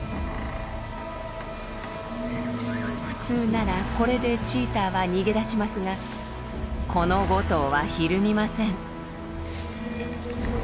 普通ならこれでチーターは逃げ出しますがこの５頭はひるみません。